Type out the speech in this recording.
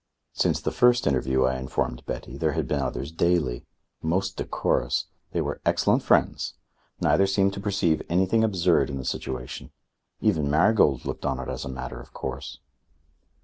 Since the first interview, I informed Betty, there had been others daily most decorous. They were excellent friends. Neither seemed to perceive anything absurd in the situation. Even Marigold looked on it as a matter of course.